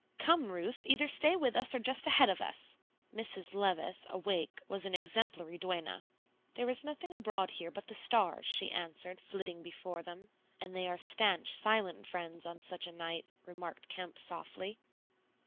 "Come, Ruth, either stay with us or just ahead of us." Mrs. Levice, awake, was an exemplary duenna. "There is nothing abroad here but the stars," she answered, flitting before them. "And they are stanch, silent friends on such a night," remarked Kemp, softly.